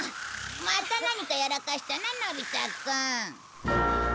また何かやらかしたなのび太くん。